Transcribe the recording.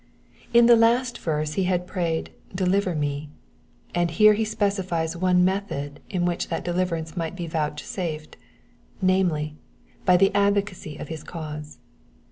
In the last verse he had prayed, "Deliver me,'' and here he specifies one method in which that deliverance might be vouchsafed, namely, by the advocacy of his cause.